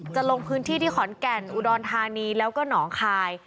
ลงพื้นที่ที่ขอนแก่นอุดรธานีแล้วก็หนองคาย